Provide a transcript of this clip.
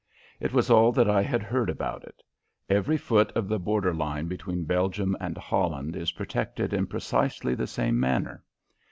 It was all that I had heard about it. Every foot of the border line between Belgium and Holland is protected in precisely the same manner.